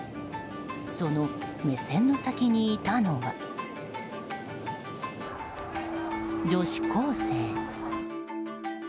その目線の先にいたのは女子高生。